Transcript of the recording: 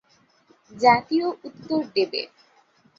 জাতীয় উত্তর দেবে।